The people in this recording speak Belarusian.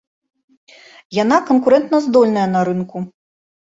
Яна канкурэнтаздольная на рынку.